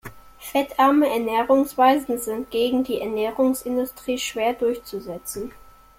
Fettarme Ernährungsweisen sind gegen die Ernährungsindustrie schwer durchzusetzen.